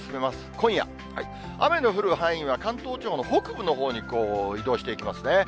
今夜、雨の降る範囲は関東地方の北部のほうに移動していきますね。